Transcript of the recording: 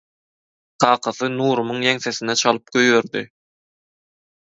Kakasy Nurumyň ýeňsesine çalyp goýberdi.